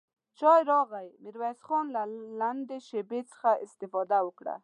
چای راغی، ميرويس خان له لنډې شيبې څخه استفاده وکړه.